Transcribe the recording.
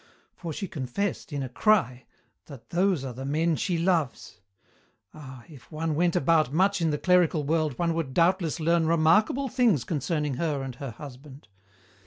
For she confessed, in a cry, that those are the men she loves. Ah, if one went about much in the clerical world one would doubtless learn remarkable things concerning her and her husband.